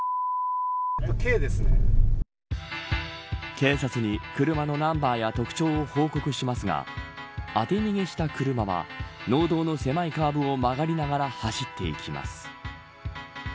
警察に車のナンバーや特徴を報告しますが当て逃げした車は農道の狭いカーブを曲がりながら走っていきます。